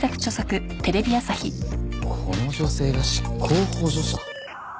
この女性が執行補助者？